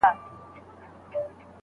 آیا هیله تر ناامیدۍ خوږه ده؟